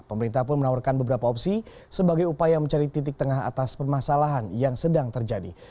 pemerintah pun menawarkan beberapa opsi sebagai upaya mencari titik tengah atas permasalahan yang sedang terjadi